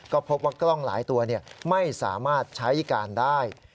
ก็พบว่ากล้องหลายตัวไม่สามารถใช้การได้